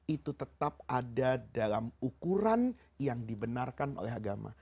itu tetap ada dalam ukuran yang dibenarkan oleh agama